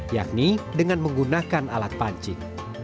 yakni dengan menggunakan alat pancing